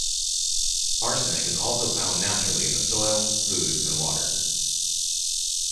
Arsenic is also found naturally in the soil, food and water.